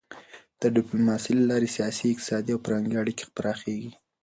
د ډيپلوماسی له لارې سیاسي، اقتصادي او فرهنګي اړیکې پراخېږي.